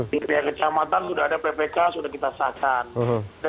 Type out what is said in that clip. di pihak kecamatan sudah ada ppk sudah kita sahkan